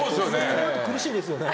このあと苦しいですよね。